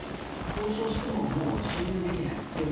交渉しても、もう信用できない。